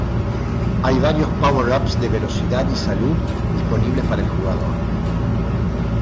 Hay varios power-ups de velocidad y salud disponibles para el jugador.